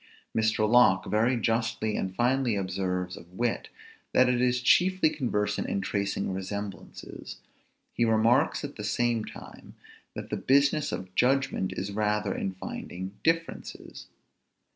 Mr. Locke very justly and finely observes of wit, that it is chiefly conversant in tracing resemblances; he remarks, at the same time, that the business of judgment is rather in finding differences.